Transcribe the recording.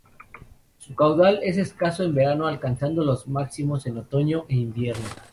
Su caudal es escaso en verano, alcanzando los máximos en otoño e invierno.